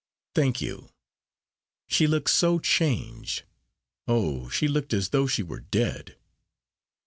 "Thank you. She looked so changed oh! she looked as though she were dead.